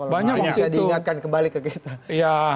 mungkin bisa diingatkan kembali ke kita